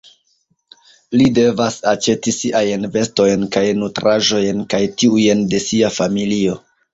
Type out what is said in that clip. Li devas aĉeti siajn vestojn kaj nutraĵojn kaj tiujn de sia familio.